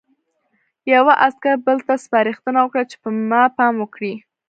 یوه عسکر بل ته سپارښتنه وکړه چې په ما پام وکړي